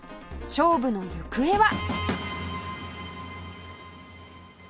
勝負の行方は